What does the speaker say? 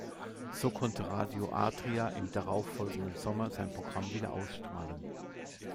So konnte Radio Adria im darauf folgenden Sommer sein Programm wieder ausstrahlen.